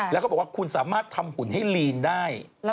แล้วก็บอกว่าคุณสามารถทำหุ่นให้ลีนได้